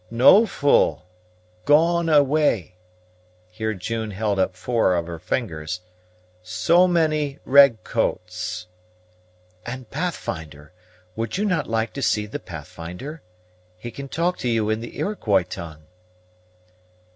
"No full; gone away," here June held up four of her fingers, "so many red coats." "And Pathfinder? would you not like to see the Pathfinder? He can talk to you in the Iroquois tongue."